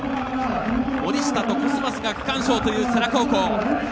森下とコスマスが区間賞という世羅高校。